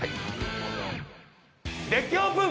デッキオープン！